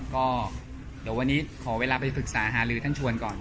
ก็เดี๋ยววันนี้ขอเวลาไปปรึกษาหาลือท่านชวนก่อน